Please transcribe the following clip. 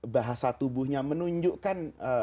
bahasa tubuhnya menunjukkan